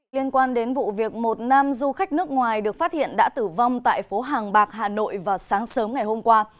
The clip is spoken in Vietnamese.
liên quan đến vụ việc một nam du khách nước ngoài được phát hiện đã tử vong tại phố hàng bạc hà nội vào sáng sớm ngày hôm qua